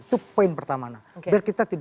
tapi selama computer